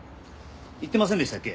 言ってませんでしたっけ？